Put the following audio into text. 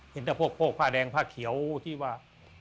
เห็นแต่พวกผ้าแดงผ้าเขียวที่ว่า